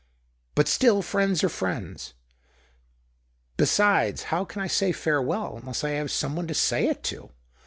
But, still, friends are friends. Besides, how can I say farewell unless I have some one to say it to